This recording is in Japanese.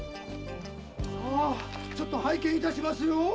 ちょっと拝見いたしますよ。